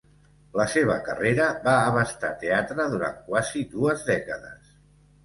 La seva carrera va abastar teatre durant quasi dues dècades.